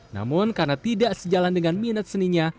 namun karena tidak sejalan dengan minat seninya